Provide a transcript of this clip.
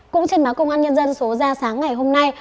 cũng trên báo công an nhân dân số ra sáng ngày hôm nay